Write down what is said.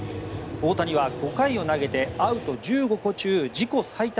大谷は５回を投げてアウト１５個中自己最多